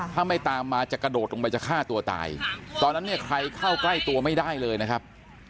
ถ้าไม่ตามมาจะกระโดดลงไปจะฆ่าตัวตายตอนนั้นเนี่ยใครเข้าใกล้ตัวไม่ได้เลยนะครับ